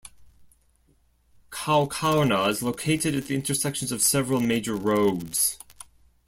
Kaukauna is located at the intersections of several major roads.